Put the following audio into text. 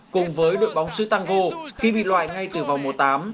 cùng với đội bóng sư tango khi bị loại ngay từ vòng mùa tám